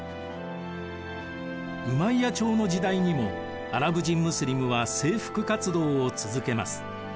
ウマイヤ朝の時代にもアラブ人ムスリムは征服活動を続けます。